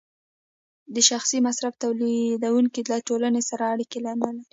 د شخصي مصرف تولیدونکی له ټولنې سره اړیکه نلري